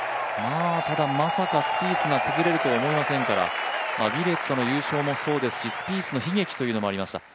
ただ、まさかスピースが崩れると思いませんからウィレットの優勝もそうでしたしスピースの悲劇というのもありました。